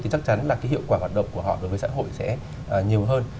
thì chắc chắn là hiệu quả hoạt động của họ đối với xã hội sẽ nhiều hơn